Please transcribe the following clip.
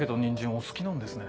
お好きなんですね。